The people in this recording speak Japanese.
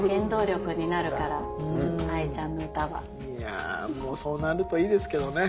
いやもうそうなるといいですけどね。